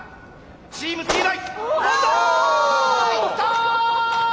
チームＴ大。